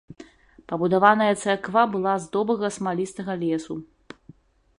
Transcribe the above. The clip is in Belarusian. Пабудаваная царква была з добрага смалістага лесу.